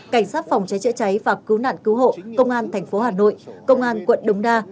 cảnh sát phòng cháy chữa cháy và cứu nạn cứu hộ công an thành phố hà nội công an quận đống đa